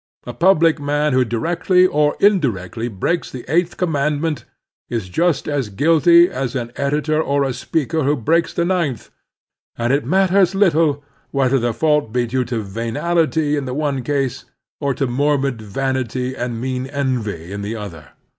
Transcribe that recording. A public man who directly or indi rectly breaks the eighth commandment is just as guilty as an editor or a speaker who breaks the ninth, and it matters little whether the fatilt be due to venality in the one case or to morbid vanity and mean envy in the other.